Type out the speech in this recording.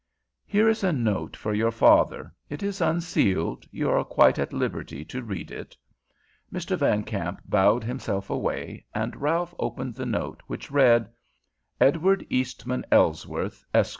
"Here is a note for your father. It is unsealed. You are quite at liberty to read it." Mr. Van Kamp bowed himself away, and Ralph opened the note, which read: EDWARD EASTMAN ELLSWORTH, ESQ.